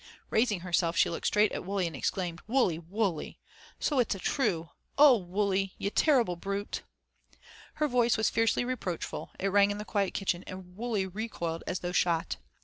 Raising herself, she looked straight at Wully, and exclaimed: "Wully! Wully! so it's a' true oh, Wully, ye terrible brute." Her voice was fiercely reproachful, it rang in the quiet kitchen, and Wully recoiled as though shot.